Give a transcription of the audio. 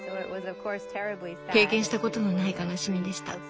経験したことのない悲しみでした。